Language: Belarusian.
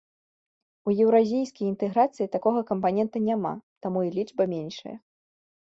У еўразійскай інтэграцыі такога кампанента няма, таму і лічба меншая.